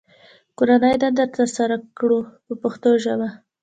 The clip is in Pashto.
کورنۍ دنده ترسره کړو په پښتو ژبه.